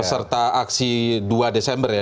peserta aksi dua desember ya dua ratus dua belas ya